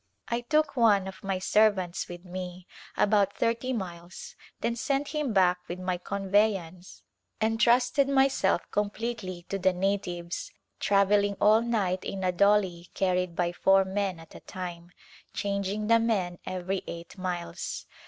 I took one of my servants with me about thirty miles then sent him back with my conveyance and trusted myself completely to the natives, travelling all night in a doli carried by four men at a time, changing the men every eight miles.